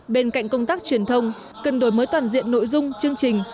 bên cạnh công tác truyền thông cần đổi mới toàn diện nội dung chương trình